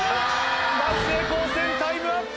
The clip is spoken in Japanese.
松江高専タイムアップ！